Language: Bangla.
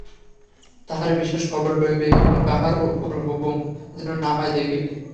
তাহার বিশেষ খবর লইবে এবং কাহারও ওপর হুকুম যেন না হয় দেখিবে।